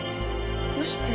どうして？